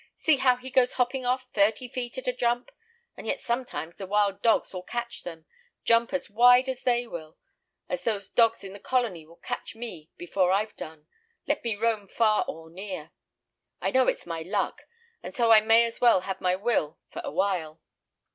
See how he goes hopping off, thirty feet at a jump, and yet sometimes the wild dogs will catch them, jump as wide as they will, as those dogs in the colony will catch me before I've done, let me roam far or near. I know it's my luck, and so I may as well have my will for a while."